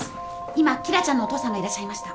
今紀來ちゃんのお父さんがいらっしゃいました。